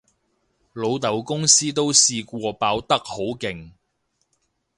老豆公司都試過爆得好勁